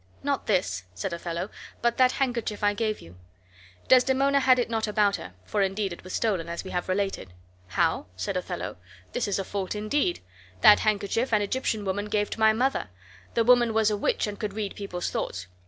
"Not this," said Othello, "but that handkerchief I gave you." Desdemona had it not about her (for indeed it was stolen, as we have related). "How?" said Othello, "this is a fault indeed. That handkerchief an Egyptian woman gave to my mother; the woman was a witch and could read people's thoughts.